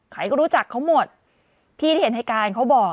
ใครก็รู้จักเขาหมดพี่ที่เห็นเหตุการณ์เขาบอก